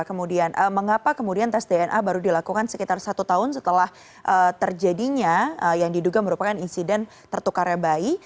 kemudian mengapa kemudian tes dna baru dilakukan sekitar satu tahun setelah terjadinya yang diduga merupakan insiden tertukarnya bayi